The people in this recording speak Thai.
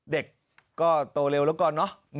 เด็กก็โตเร็วละก่อนเนาะ